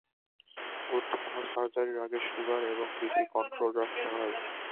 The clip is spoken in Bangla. গুরুত্বপূর্ণ সার্জারির আগে শ্যুগার এবং বিপি কন্ট্রোলে রাখতে হয়।